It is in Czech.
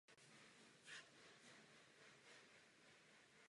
Severním směrem sousedila s dvorem Vápenka a na východě s dvorem Viktorka.